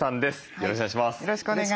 よろしくお願いします。